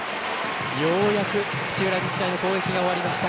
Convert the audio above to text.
ようやく土浦日大の攻撃が終わりました。